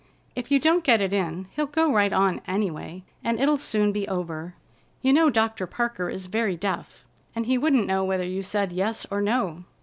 "If you don't get it in, he'll go right on, any way, and it'll soon be over. You know Doctor Parker is very deaf, and he wouldn't know whether you said yes or no.